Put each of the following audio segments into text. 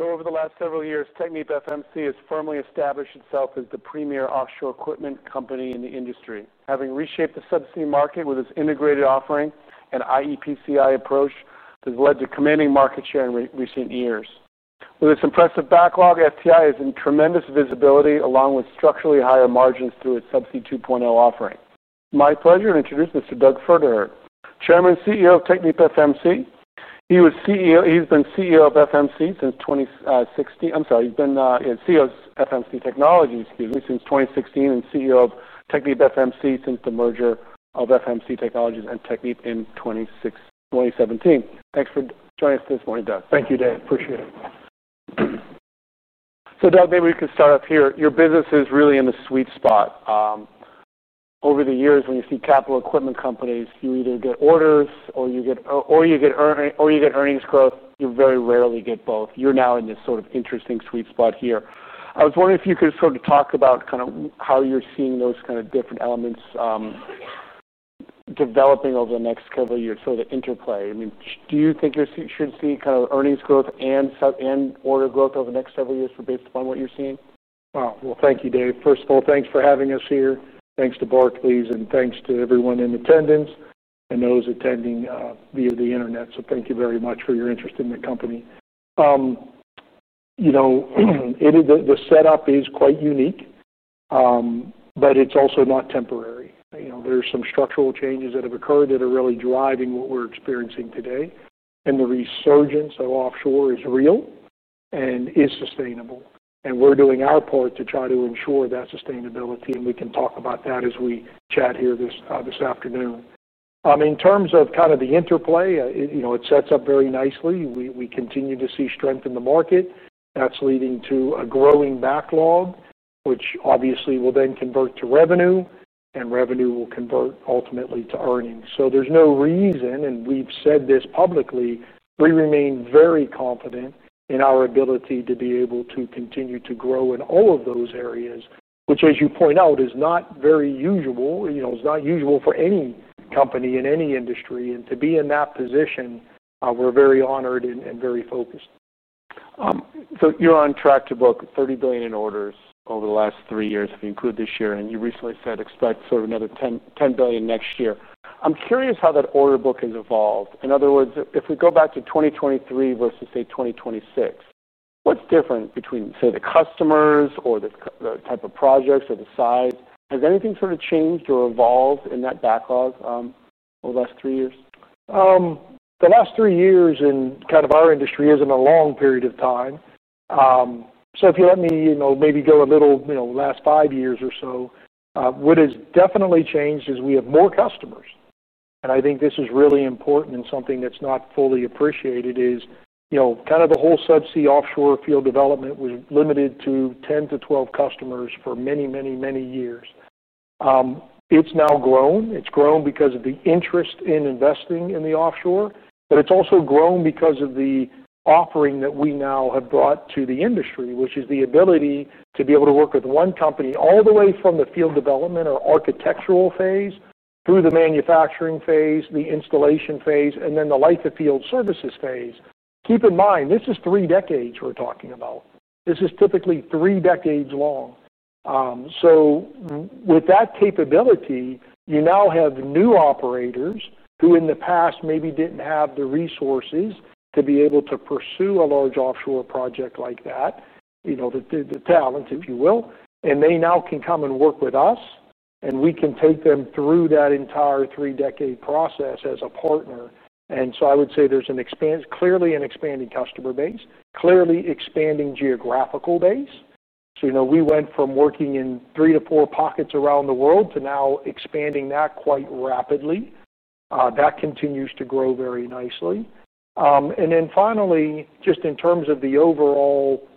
Over the last several years, TechnipFMC has firmly established itself as the premier offshore equipment company in the industry. Having reshaped the subsea market with its integrated offering and iEPCI approach, this has led to commanding market share in recent years. With its impressive backlog, TechnipFMC has tremendous visibility along with structurally higher margins through its Subsea 2.0 offering. My pleasure to introduce Mr. Douglas Pferdehirt, Chairman and CEO of TechnipFMC. He's been CEO of FMC Technologies since 2016 and CEO of TechnipFMC since the merger of FMC Technologies and Technip in 2017. Thanks for joining us this morning, Doug. Thank you, Dave. Appreciate it. Doug, maybe we can start up here. Your business is really in the sweet spot. Over the years, when you see capital equipment companies, you either get orders or you get earnings growth. You very rarely get both. You're now in this sort of interesting sweet spot here. I was wondering if you could sort of talk about how you're seeing those different elements developing over the next several years, the interplay. Do you think you should see earnings growth and order growth over the next several years based upon what you're seeing? Thank you, Dave. First of all, thanks for having us here. Thanks to Barclays and thanks to everyone in attendance and those attending via the Internet. Thank you very much for your interest in the company. The setup is quite unique, but it's also not temporary. There are some structural changes that have occurred that are really driving what we're experiencing today. The resurgence of offshore is real and is sustainable. We're doing our part to try to ensure that sustainability. We can talk about that as we chat here this afternoon. In terms of the interplay, it sets up very nicely. We continue to see strength in the market. That's leading to a growing backlog, which obviously will then convert to revenue, and revenue will convert ultimately to earnings. There's no reason, and we've said this publicly, we remain very confident in our ability to be able to continue to grow in all of those areas, which, as you point out, is not very usual. It's not usual for any company in any industry. To be in that position, we're very honored and very focused. You're on track to book $30 billion in orders over the last three years, if you include this year. You recently said expect sort of another $10 billion next year. I'm curious how that order book has evolved. In other words, if we go back to 2023 versus, say, 2026, what's different between, say, the customers or the type of projects or the size? Has anything sort of changed or evolved in that backlog over the last three years? The last three years in kind of our industry isn't a long period of time. If you let me, maybe go a little, you know, last five years or so, what has definitely changed is we have more customers. I think this is really important and something that's not fully appreciated is, you know, kind of the whole subsea offshore field development was limited to 10- 12 customers for many, many, many years. It's now grown. It's grown because of the interest in investing in the offshore. It's also grown because of the offering that we now have brought to the industry, which is the ability to be able to work with one company all the way from the field development or architectural phase through the manufacturing phase, the installation phase, and then the life of field services phase. Keep in mind, this is three decades we're talking about. This is typically three decades long. With that capability, you now have new operators who in the past maybe didn't have the resources to be able to pursue a large offshore project like that, you know, the talents, if you will. They now can come and work with us, and we can take them through that entire three-decade process as a partner. I would say there's an expansion, clearly an expanding customer base, clearly expanding geographical base. We went from working in three to four pockets around the world to now expanding that quite rapidly. That continues to grow very nicely. Finally, just in terms of the overall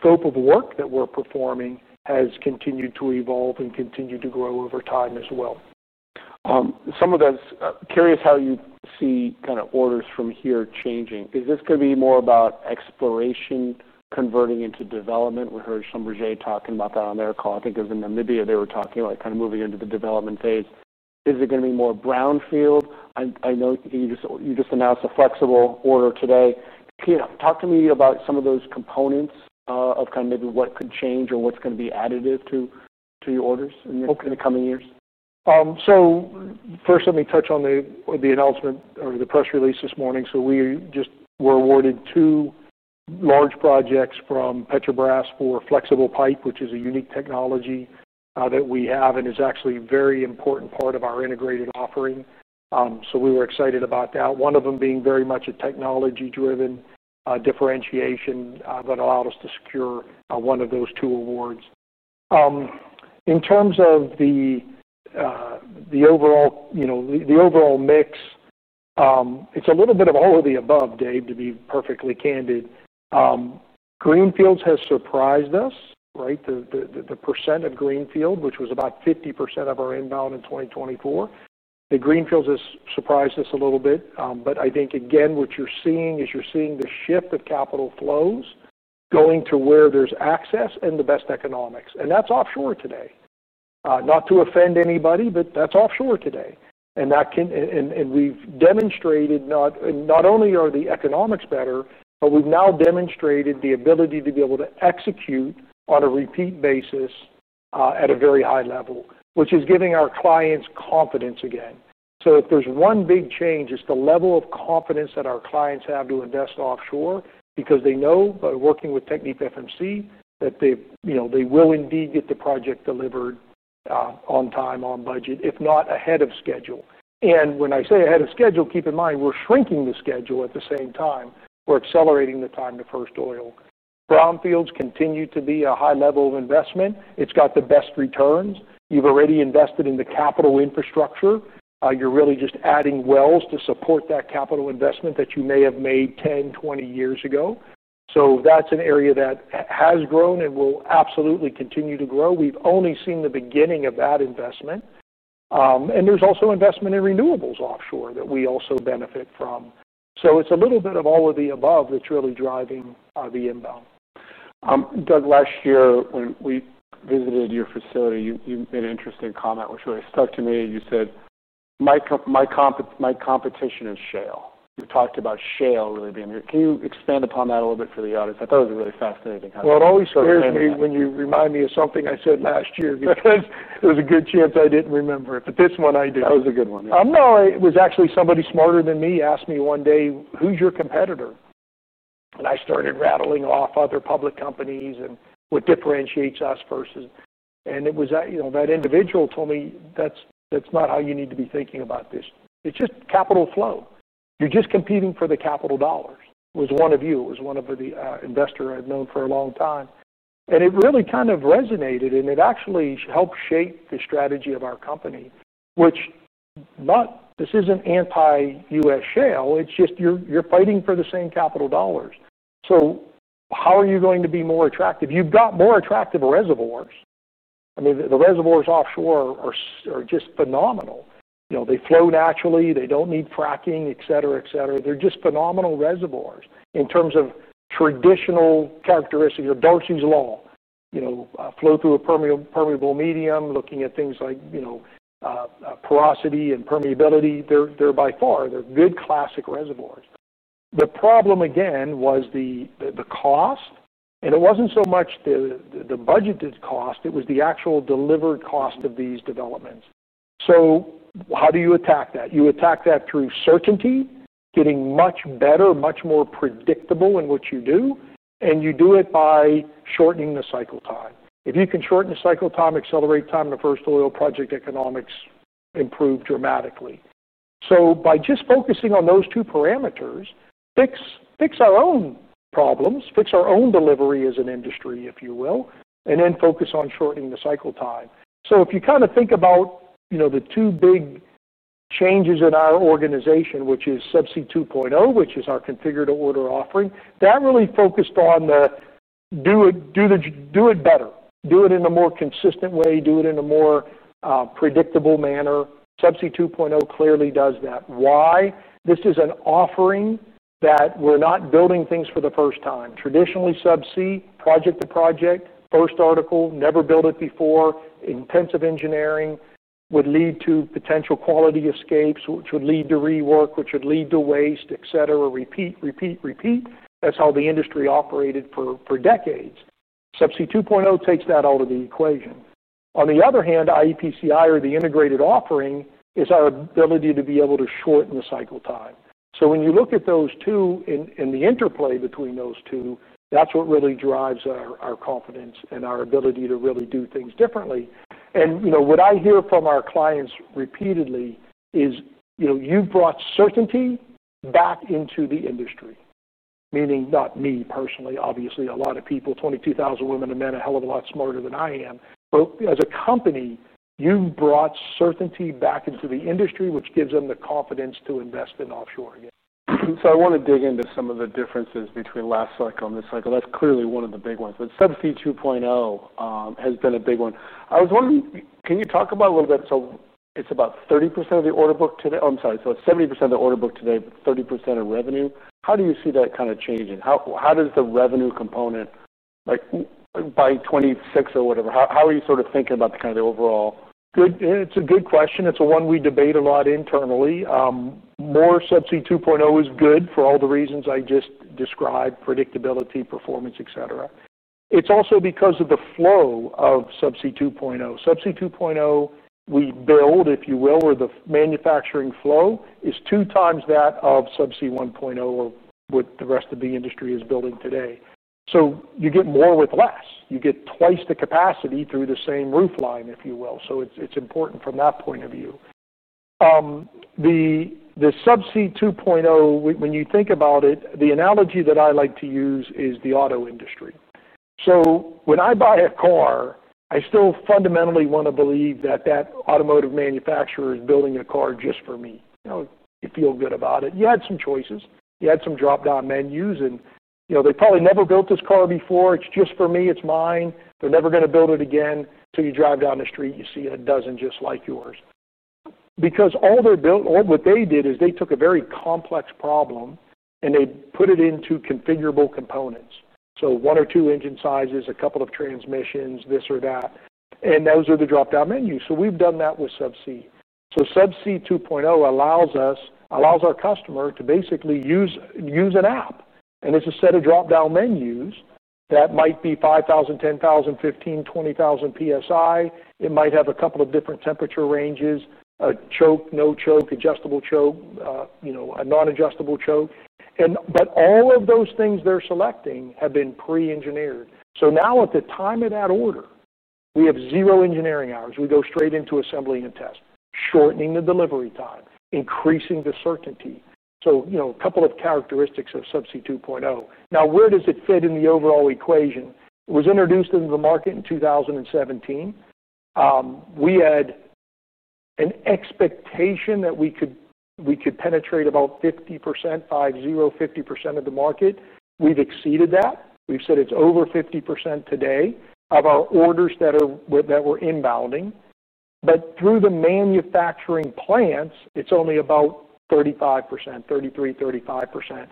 scope of work that we're performing, it has continued to evolve and continue to grow over time as well. Some of those, curious how you see kind of orders from here changing. Is this going to be more about exploration converting into development? We heard some Rejay talking about that on their call. I think it was in Namibia they were talking about kind of moving into the development phase. Is it going to be more brownfield? I know you just announced a flexible order today. Yeah, talk to me about some of those components of kind of maybe what could change or what's going to be additive to your orders in the coming years. First, let me touch on the announcement or the press release this morning. We just were awarded two large projects from Petrobras for flexible pipe, which is a unique technology that we have and is actually a very important part of our integrated offering. We were excited about that, one of them being very much a technology-driven differentiation that allowed us to secure one of those two awards. In terms of the overall mix, it's a little bit of all of the above, Dave, to be perfectly candid. Greenfields has surprised us, right? The percent of Greenfield, which was about 50% of our inbound in 2024. The Greenfields has surprised us a little bit. I think, again, what you're seeing is you're seeing the shift of capital flows going to where there's access and the best economics. That's offshore today. Not to offend anybody, but that's offshore today. We've demonstrated not only are the economics better, but we've now demonstrated the ability to be able to execute on a repeat basis at a very high level, which is giving our clients confidence again. If there's one big change, it's the level of confidence that our clients have to invest offshore because they know by working with TechnipFMC that they will indeed get the project delivered on time, on budget, if not ahead of schedule. When I say ahead of schedule, keep in mind, we're shrinking the schedule at the same time. We're accelerating the time to first oil. Brownfields continues to be a high level of investment. It's got the best returns. You've already invested in the capital infrastructure. You're really just adding wells to support that capital investment that you may have made 10, 20 years ago. That's an area that has grown and will absolutely continue to grow. We've only seen the beginning of that investment. There's also investment in renewables offshore that we also benefit from. It's a little bit of all of the above that's really driving the inbound. Doug, last year when we visited your facility, you made an interesting comment, which really stuck to me. You said, "My competition is Shell." You talked about Shell really being your... Can you expand upon that a little bit for the audience? I thought it was a really fascinating concept. It always surprised me when you remind me of something I said last year because there's a good chance I didn't remember it. This one I do. That was a good one. No, it was actually somebody smarter than me asked me one day, "Who's your competitor?" I started rattling off other public companies and what differentiates us versus... It was that individual told me, "That's not how you need to be thinking about this. It's just capital flow. You're just competing for the capital dollars." It was one of you. It was one of the investors I've known for a long time. It really kind of resonated, and it actually helped shape the strategy of our company, which is not... This isn't anti-U.S. Shell. You're fighting for the same capital dollars. How are you going to be more attractive? You've got more attractive reservoirs. I mean, the reservoirs offshore are just phenomenal. They flow naturally. They don't need fracking, etc., etc. They're just phenomenal reservoirs in terms of traditional characteristics of Dawson's law. Flow through a permeable medium, looking at things like porosity and permeability. They're by far... They're good classic reservoirs. The problem, again, was the cost. It wasn't so much the budgeted cost. It was the actual delivered cost of these developments. How do you attack that? You attack that through certainty, getting much better, much more predictable in what you do. You do it by shortening the cycle time. If you can shorten the cycle time, accelerate time, the first oil project economics improve dramatically. By just focusing on those two parameters, fix our own problems, fix our own delivery as an industry, if you will, and then focus on shortening the cycle time. If you kind of think about the two big changes in our organization, which is Subsea 2.0, which is our configured order offering, that really focused on the do it, do the do it better, do it in a more consistent way, do it in a more predictable manner. Subsea 2.0 clearly does that. Why? This is an offering that we're not building things for the first time. Traditionally, Subsea, project to project, first article, never built it before, intensive engineering would lead to potential quality escapes, which would lead to rework, which would lead to waste, etc., repeat, repeat, repeat. That's how the industry operated for decades. Subsea 2.0 takes that out of the equation. On the other hand, iEPCI or the integrated offering is our ability to be able to shorten the cycle time. When you look at those two and the interplay between those two, that's what really drives our confidence and our ability to really do things differently. You know what I hear from our clients repeatedly is, you've brought certainty back into the industry, meaning not me personally, obviously. A lot of people, 22,000 women and men, a hell of a lot smarter than I am. As a company, you've brought certainty back into the industry, which gives them the confidence to invest in offshoring. I want to dig into some of the differences between last cycle and this cycle. That's clearly one of the big ones. Subsea 2.0 has been a big one. I was wondering, can you talk about it a little bit? It's about 70% of the order book today, but 30% of revenue. How do you see that kind of changing? How does the revenue component, like by 2026 or whatever, how are you sort of thinking about the overall? It's a good question. It's one we debate a lot internally. More Subsea 2.0 is good for all the reasons I just described: predictability, performance, etc. It's also because of the flow of Subsea 2.0. Subsea 2.0, we build, if you will, or the manufacturing flow is 2x that of Subsea 1.0 or what the rest of the industry is building today. You get more with less. You get twice the capacity through the same roof line, if you will. It's important from that point of view. Subsea 2.0, when you think about it, the analogy that I like to use is the auto industry. When I buy a car, I still fundamentally want to believe that that automotive manufacturer is building a car just for me. You know, you feel good about it. You had some choices. You had some drop-down menus, and you know they probably never built this car before. It's just for me. It's mine. They're never going to build it again. You drive down the street, you see a dozen just like yours because all they're building, what they did is they took a very complex problem and they put it into configurable components. One or two engine sizes, a couple of transmissions, this or that. Those are the drop-down menus. We've done that with Subsea. Subsea 2.0 allows us, allows our customer to basically use an app. It's a set of drop-down menus that might be 5,000, 10,000, 15,000, 20,000 PSI. It might have a couple of different temperature ranges, a choke, no choke, adjustable choke, a non-adjustable choke. All of those things they're selecting have been pre-engineered. At the time of that order, we have zero engineering hours. We go straight into assembling a test, shortening the delivery time, increasing the certainty. A couple of characteristics of Subsea 2.0. Now, where does it fit in the overall equation? It was introduced into the market in 2017. We had an expectation that we could penetrate about 50% of the market. We've exceeded that. We've said it's over 50% today of our orders that we're inbounding. Through the manufacturing plants, it's only about 33%, 35%.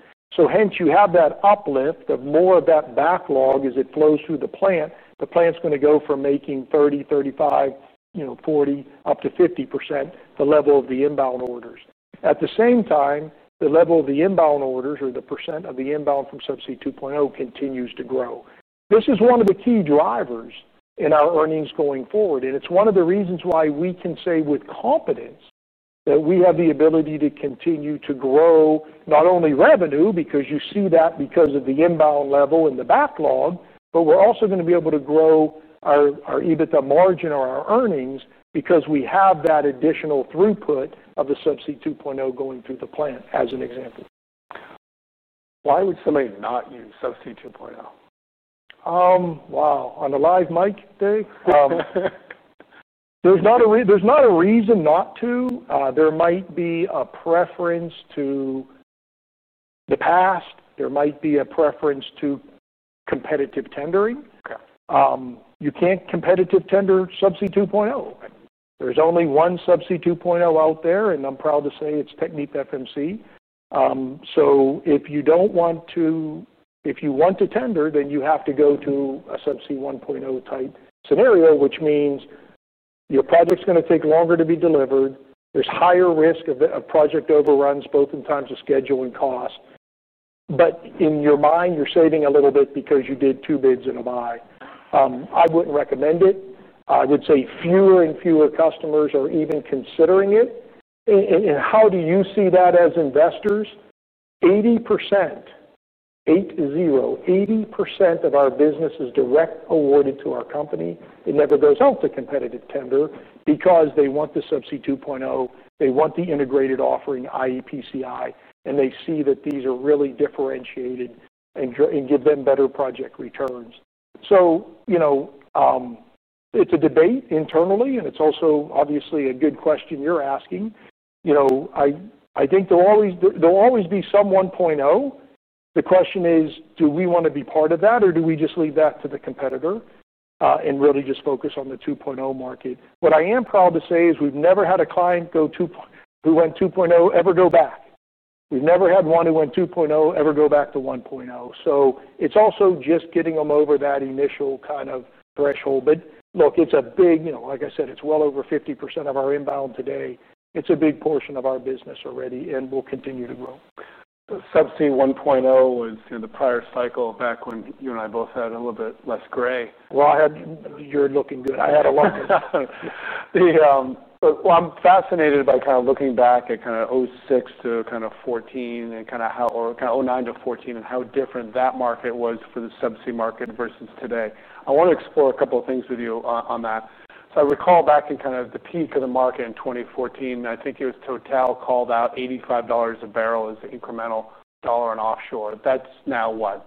Hence you have that uplift of more of that backlog as it flows through the plant. The plant's going to go from making 30%, 35%, 40%, up to 50%, the level of the inbound orders. At the same time, the level of the inbound orders or the percent of the inbound from Subsea 2.0 continues to grow. This is one of the key drivers in our earnings going forward. It is one of the reasons why we can say with confidence that we have the ability to continue to grow not only revenue because you see that because of the inbound level and the backlog, but we're also going to be able to grow our EBITDA margin or our earnings because we have that additional throughput of the Subsea 2.0 going through the plant as an example. Why would somebody not use Subsea 2.0? Wow. On a live mic, Dave? There's not a reason not to. There might be a preference to the past. There might be a preference to competitive tendering. Okay, you can't competitive tender Subsea 2.0. There's only one Subsea 2.0 out there, and I'm proud to say it's TechnipFMC. If you don't want to, if you want to tender, then you have to go through a Subsea 1.0 type scenario, which means your project's going to take longer to be delivered. There's higher risk of project overruns, both in terms of schedule and cost. In your mind, you're saving a little bit because you did two bids and a buy. I wouldn't recommend it. I would say fewer and fewer customers are even considering it. How do you see that as investors? 80%, eight, zero, 80% of our business is direct awarded to our company. It never goes out to competitive tender because they want the Subsea 2.0. They want the integrated offering, iEPCI, and they see that these are really differentiated and give them better project returns. It's a debate internally, and it's also obviously a good question you're asking. I think there'll always be some 1.0. The question is, do we want to be part of that or do we just leave that to the competitor and really just focus on the 2.0 market? What I am proud to say is we've never had a client who went 2.0 ever go back. We've never had one who went 2.0 ever go back to 1.0. It's also just getting them over that initial kind of threshold. It's a big, you know, like I said, it's well over 50% of our inbound today. It's a big portion of our business already, and we'll continue to grow. The Subsea 1.0 was in the prior cycle back when you and I both had a little bit less gray. You're looking good. I had a lot of gray. I'm fascinated by kind of looking back at kind of 2006 to kind of 2014 and kind of how, or kind of 2009- 2014 and how different that market was for the subsea market versus today. I want to explore a couple of things with you on that. I recall back in kind of the peak of the market in 2014, I think it was Total called out $85 a barrel as the incremental dollar on offshore. That's now what?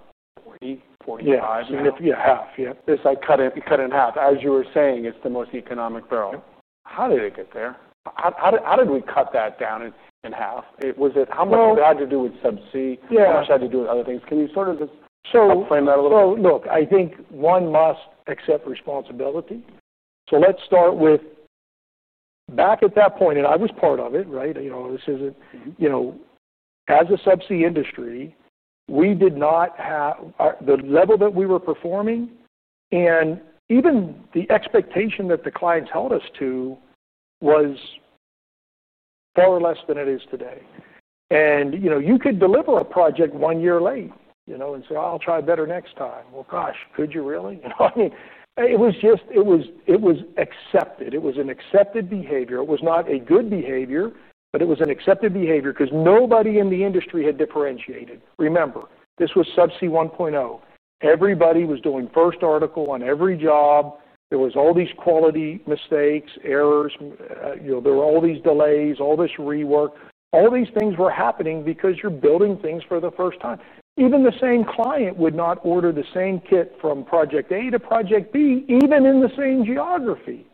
$40, $45? Yeah, half. Yeah. It's like cut in, you cut in half. As you were saying, it's the most economic barrel. How did it get there? How did we cut that down in half? Was it how much did it have to do with subsea? How much had to do with other things? Can you sort of just explain that a little bit? I think one must accept responsibility. Let's start with back at that point, and I was part of it, right? You know, as a subsea industry, we did not have the level that we were performing. Even the expectation that the clients held us to was far less than it is today. You could deliver a project one year late and say, "I'll try better next time." Gosh, could you really? It was accepted. It was an accepted behavior. It was not a good behavior, but it was an accepted behavior because nobody in the industry had differentiated. Remember, this was Subsea 1.0. Everybody was doing first article on every job. There were all these quality mistakes, errors. There were all these delays, all this rework. All these things were happening because you're building things for the first time. Even the same client would not order the same kit from project A to project B, even in the same geography.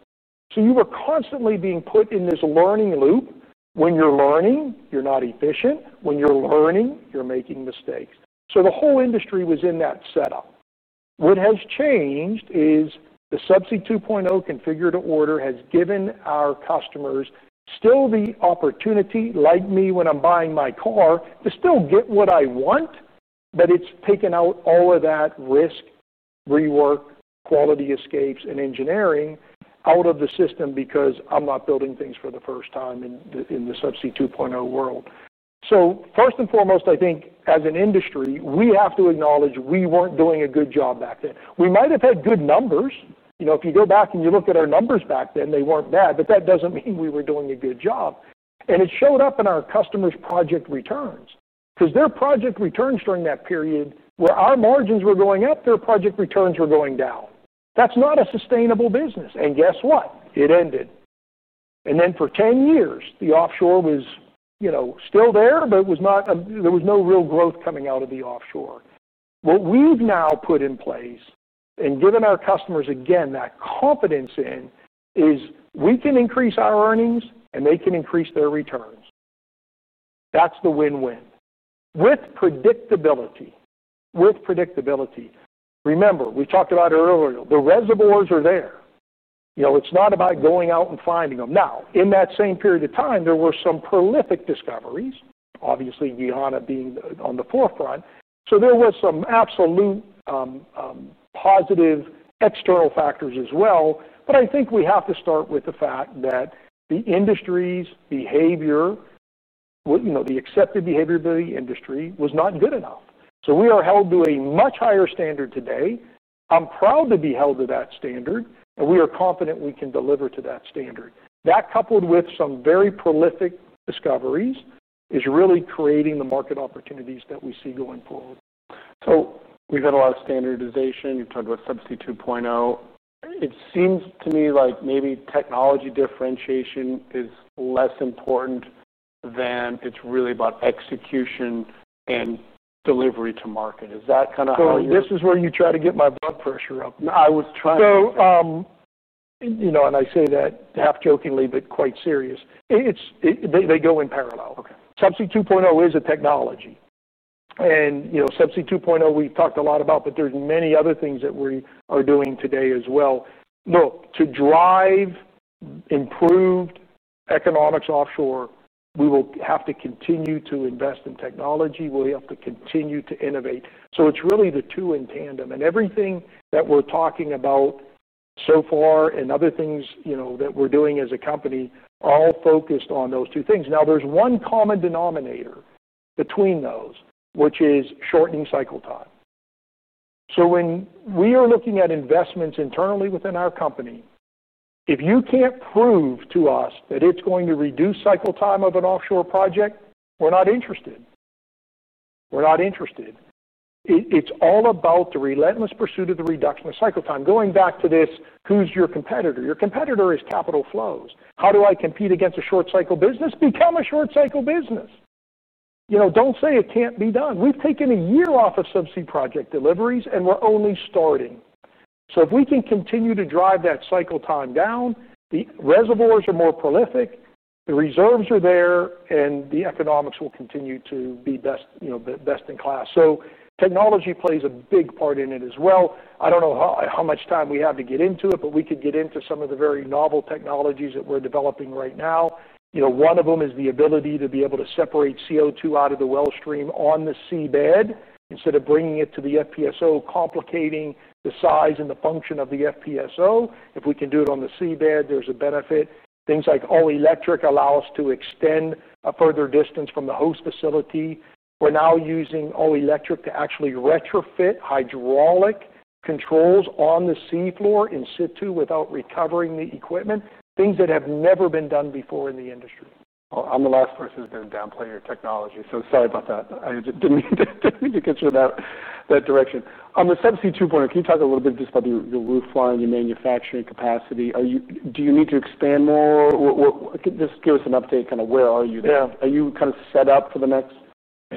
You were constantly being put in this learning loop. When you're learning, you're not efficient. When you're learning, you're making mistakes. The whole industry was in that setup. What has changed is the Subsea 2.0 configured order has given our customers still the opportunity, like me, when I'm buying my car, to still get what I want, but it's taken out all of that risk, rework, quality escapes, and engineering out of the system because I'm not building things for the first time in the Subsea 2.0 world. First and foremost, I think as an industry, we have to acknowledge we weren't doing a good job back then. We might have had good numbers. If you go back and you look at our numbers back then, they weren't bad, but that doesn't mean we were doing a good job. It showed up in our customers' project returns because their project returns during that period were our margins were going up, their project returns were going down. That's not a sustainable business. Guess what? It ended. For 10 years, the offshore was still there, but there was no real growth coming out of the offshore. What we've now put in place and given our customers, again, that confidence in is we can increase our earnings and they can increase their returns. That's the win-win with predictability. With predictability. Remember, we talked about it earlier. The reservoirs are there. It's not about going out and finding them. Now, in that same period of time, there were some prolific discoveries, obviously Guyana being on the forefront. There were some absolute, positive external factors as well. I think we have to start with the fact that the industry's behavior, you know, the accepted behavior of the industry was not good enough. We are held to a much higher standard today. I'm proud to be held to that standard, and we are confident we can deliver to that standard. That, coupled with some very prolific discoveries, is really creating the market opportunities that we see going forward. We've had a lot of standardization. You've talked about Subsea 2.0. It seems to me like maybe technological differentiation is less important than it's really about execution and delivery to market. Is that kind of how you? This is where you try to get my blood pressure up. No, I was trying to. You know. I say that half jokingly, but quite serious. They go in parallel. Subsea 2.0 is a technology. Subsea 2.0, we've talked a lot about, but there are many other things that we are doing today as well. Look, to drive improved economics offshore, we will have to continue to invest in technology. We'll have to continue to innovate. It is really the two in tandem. Everything that we're talking about so far and other things that we're doing as a company are all focused on those two things. There is one common denominator between those, which is shortening cycle time. When we are looking at investments internally within our company, if you can't prove to us that it's going to reduce cycle time of an offshore project, we're not interested. We're not interested. It's all about the relentless pursuit of the reduction of cycle time. Going back to this, who's your competitor? Your competitor is capital flows. How do I compete against a short cycle business? Become a short cycle business. Don't say it can't be done. We've taken a year off of subsea project deliveries, and we're only starting. If we can continue to drive that cycle time down, the reservoirs are more prolific, the reserves are there, and the economics will continue to be best, the best in class. Technology plays a big part in it as well. I don't know how much time we have to get into it, but we could get into some of the very novel technologies that we're developing right now. One of them is the ability to be able to separate CO2 out of the well stream on the seabed instead of bringing it to the FPSO, complicating the size and the function of the FPSO. If we can do it on the seabed, there's a benefit. Things like all-electric allow us to extend a further distance from the host facility. We're now using all-electric to actually retrofit hydraulic controls on the seafloor in situ without recovering the equipment. Things that have never been done before in the industry. I'm the last person who's been downplaying your technology. Sorry about that. I didn't mean to get you in that direction. On the Subsea 2.0, can you talk a little bit just about your roof line, your manufacturing capacity? Do you need to expand more? Just give us an update, kind of where are you there? Are you kind of set up for the next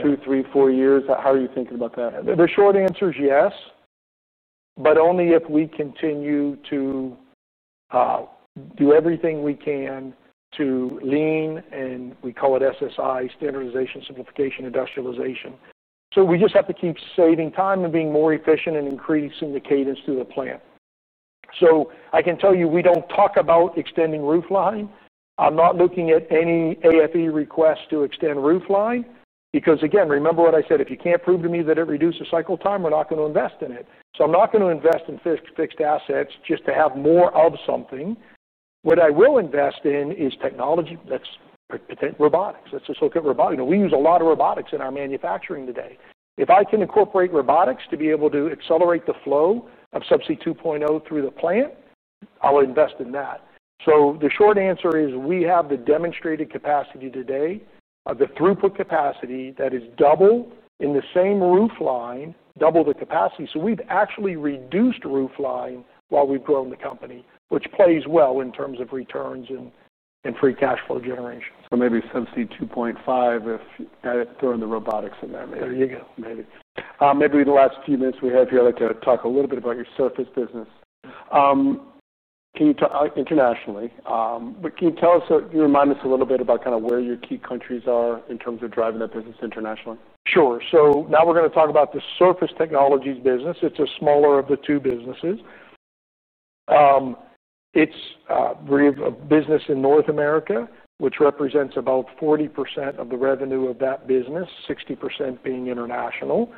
two, three, four years? How are you thinking about that? The short answer is yes, but only if we continue to do everything we can to lean, and we call it SSI, standardization, simplification, industrialization. We just have to keep saving time and being more efficient and increasing the cadence through the plant. I can tell you we don't talk about extending roof line. I'm not looking at any AFE requests to extend roof line because, again, remember what I said. If you can't prove to me that it reduces cycle time, we're not going to invest in it. I'm not going to invest in fixed assets just to have more of something. What I will invest in is technology. That's robotics. Let's just look at robotics. You know, we use a lot of robotics in our manufacturing today. If I can incorporate robotics to be able to accelerate the flow of Subsea 2.0 through the plant, I'll invest in that. The short answer is we have the demonstrated capacity today of the throughput capacity that is double in the same roof line, double the capacity. We've actually reduced roof line while we've grown the company, which plays well in terms of returns and free cash flow generation. Maybe Subsea 2.5, if you're throwing the robotics in that, maybe. There you go. Maybe the last few minutes we have here, I'd like to talk a little bit about your Surface business. Can you talk internationally? Can you tell us, so you remind us a little bit about kind of where your key countries are in terms of driving that business internationally? Sure. Now we're going to talk about the Surface Technologies business. It's a smaller of the two businesses. We have a business in North America, which represents about 40% of the revenue of that business, 60% being international.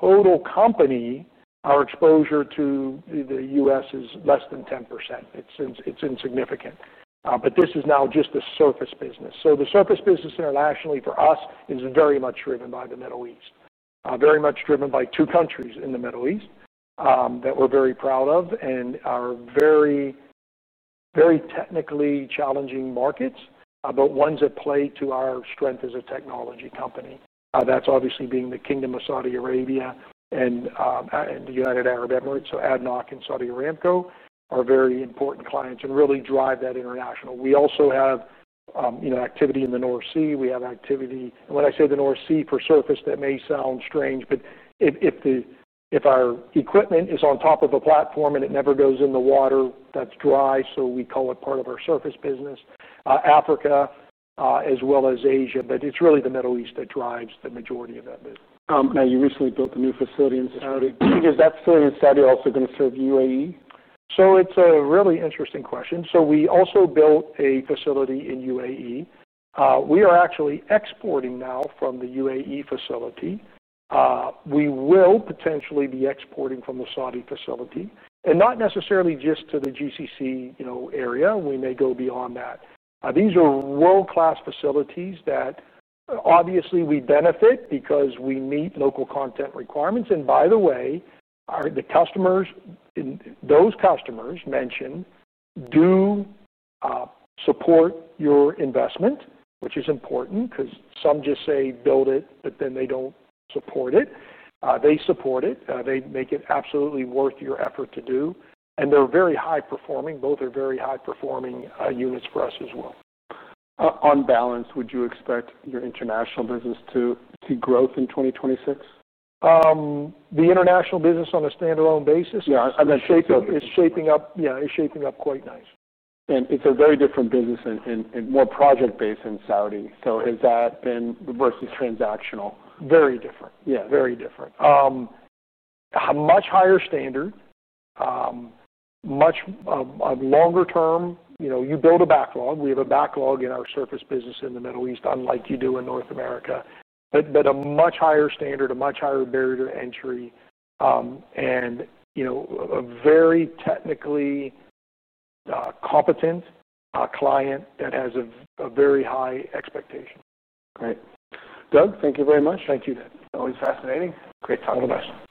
Total company, our exposure to the U.S., is less than 10%. It's insignificant. This is now just a surface business. The surface business internationally for us is very much driven by the Middle East, very much driven by two countries in the Middle East that we're very proud of and are very, very technically challenging markets, but ones that play to our strength as a technology company. That's obviously the Kingdom of Saudi Arabia and the United Arab Emirates. ADNOC and Saudi Aramco are very important clients and really drive that international. We also have activity in the North Sea. When I say the North Sea for surface, that may sound strange, but if our equipment is on top of a platform and it never goes in the water, that's dry. We call it part of our surface business. Africa, as well as Asia. It's really the Middle East that drives the majority of that business. Now, you recently built a new facility in Saudi Arabia. Is that facility in Saudi Arabia also going to serve UAE? It's a really interesting question. We also built a facility in the UAE. We are actually exporting now from the UAE facility. We will potentially be exporting from the Saudi facility and not necessarily just to the GCC area. We may go beyond that. These are world-class facilities that, obviously, we benefit because we meet local content requirements. By the way, our customers and those customers mentioned do support your investment, which is important because some just say build it, but then they don't support it. They support it. They make it absolutely worth your effort to do. They're very high performing. Both are very high performing units for us as well. On balance, would you expect your international business to see growth in 2026? The international business on a standalone basis? Yeah. It's shaping up quite nice. It's a very different business and more project-based in Saudi. Has that been versus transactional? Very different. Yeah, very different. A much higher standard, much longer term. You know, you build a backlog. We have a backlog in our Surface Technologies segment in the Middle East, unlike you do in North America. A much higher standard, a much higher barrier to entry, and you know, a very technically competent client that has a very high expectation. Great. Doug, thank you very much. Thank you, Dave. Always fascinating. Great talking to us.